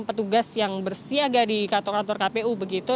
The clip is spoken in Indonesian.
petugas yang bersiaga di kantor kantor kpu begitu